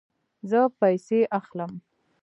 زه پیسې اخلم